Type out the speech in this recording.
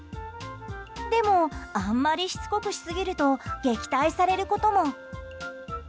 でも、あんまりしつこくしすぎると撃退されることも。